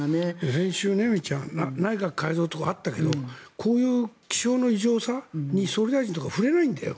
先週内閣改造とかあったけどこういう気象の異常さに総理大臣とか、触れないんだよ。